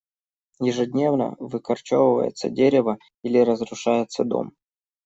Ежедневно выкорчевывается дерево или разрушается дом.